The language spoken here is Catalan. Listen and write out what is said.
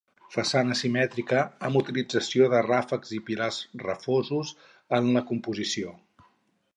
Façana simètrica, amb utilització de ràfecs i pilars refosos en la composició.